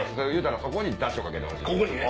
そこにダシかけてほしい。